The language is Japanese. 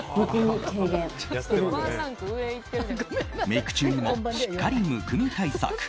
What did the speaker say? メイク中にもしっかりむくみ対策。